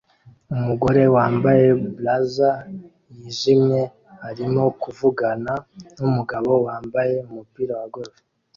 Umugore wambaye blazer yijimye arimo kuvugana numugabo wambaye umupira wa golf